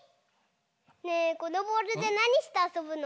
ねえこのボールでなにしてあそぶの？